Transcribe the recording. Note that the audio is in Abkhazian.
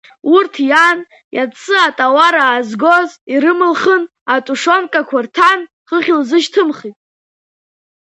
Урҭ иан иацы атауар аазгоз ирымылхын, атушионкақәа рҭан, хыхь илзышьҭымхит.